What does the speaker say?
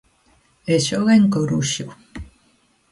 E xoga en Coruxo.